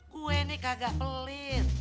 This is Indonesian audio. kue ini kagak pelit